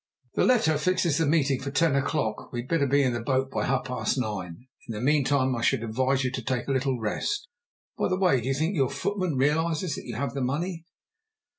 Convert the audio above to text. "The letter fixes the meeting for ten o'clock; we had better be in the boat by half past nine. In the meantime I should advise you to take a little rest. By the way, do you think your footman realizes that you have the money?"